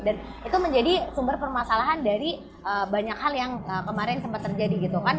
dan itu menjadi sumber permasalahan dari banyak hal yang kemarin sempat terjadi gitu kan